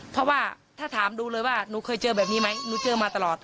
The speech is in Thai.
เพราะว่าถ้าถามดูเลยว่าหนูเคยเจอแบบนี้ไหมหนูเจอมาตลอด